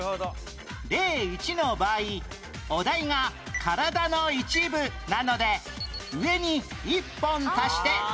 例１の場合お題が「体の一部」なので上に１本足して「目」